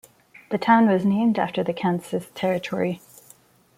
The town was named after the Kansas Territory.